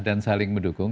dan saling mendukung